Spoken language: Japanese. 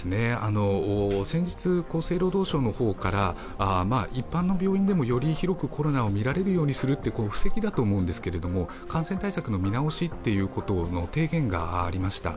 先日、厚生労働省から一般の病院でもより広くコロナを診られるようにするという布石だと思うんですが感染対策の見直しの提言がありました。